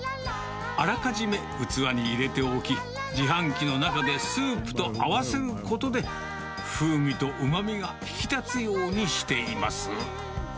あらかじめ器に入れておき、自販機の中でスープと合わせることで、風味とうまみが引き立つようにしています。